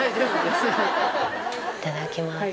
いただきます。